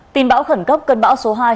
tin bão khẩn cấp cân bão số hai